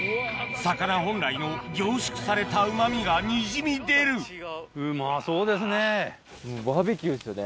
魚本来の凝縮されたうま味がにじみ出る・うまそうですね・バーベキューですよね。